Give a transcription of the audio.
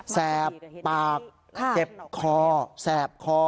แสบปากเจ็บคอแสบคอ